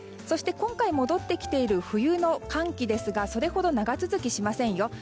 そして今回戻ってきている冬の寒気ですがそれほど長続きしませんよ。